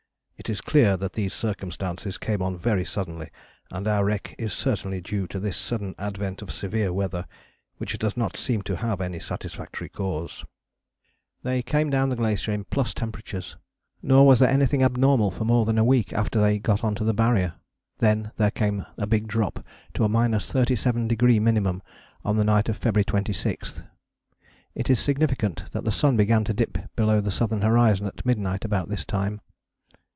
It is clear that these circumstances come on very suddenly, and our wreck is certainly due to this sudden advent of severe weather, which does not seem to have any satisfactory cause." They came down the glacier in plus temperatures: nor was there anything abnormal for more than a week after they got on to the Barrier. Then there came a big drop to a 37° minimum on the night of February 26. It is significant that the sun began to dip below the southern horizon at midnight about this time.